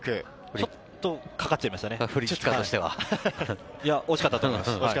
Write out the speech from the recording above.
ちょっとかかっちゃいましたね。